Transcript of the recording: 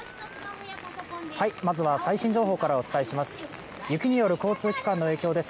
まずは最新情報からお伝えします。